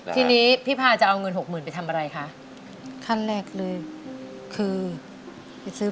ทีนี้พี่พาจะเอาเงินหกหมื่นไปทำอะไรคะขั้นแรกเลยคือไปซื้อ